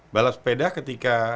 balap sepeda ketika